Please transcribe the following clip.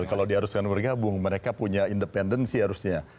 kalau diharuskan bergabung mereka punya independensi harusnya